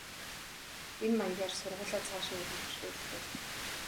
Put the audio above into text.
Энэ маягаар сургуулиа цааш нь үргэлжлүүллээ.